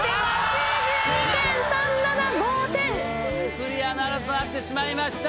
クリアならずとなってしまいました。